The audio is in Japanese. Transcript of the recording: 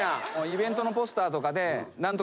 イベントのポスターとかで。